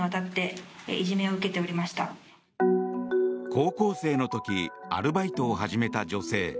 高校生の時アルバイトを始めた女性。